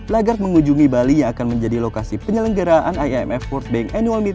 lagard mengunjungi bali yang akan menjadi lokasi penyelenggaraan iimf world bank indonesia